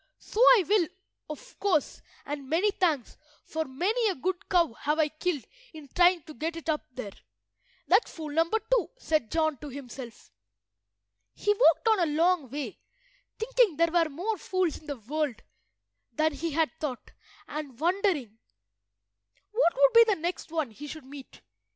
"So I will, of course, and many thanks, for many a good cow have I killed in trying to get it up there." "That's fool number two," said John to himself. He walked on a long way, thinking there were more fools in the world than he had thought, and wondering what would be the next one he should meet.